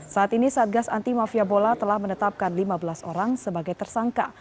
saat ini satgas anti mafia bola telah menetapkan lima belas orang sebagai tersangka